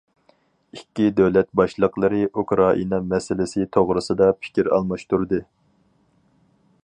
ئىككى دۆلەت باشلىقلىرى ئۇكرائىنا مەسىلىسى توغرىسىدا پىكىر ئالماشتۇردى.